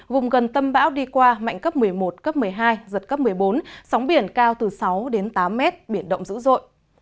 vùng gần tâm bão đi qua mạnh cấp một mươi một cấp một mươi hai giật cấp một mươi bốn sóng biển cao từ sáu đến tám mét biển động dữ dội